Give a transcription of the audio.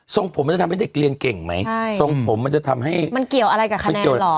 ส่งผมมันจะทำให้เด็กเรียนเก่งไหมใช่ทรงผมมันจะทำให้มันเกี่ยวอะไรกับใคร